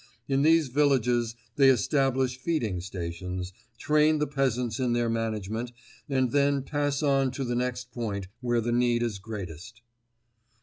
In these villages they establish feeding stations, train the peasants in their management and then pass on to the next point where the need is greatest.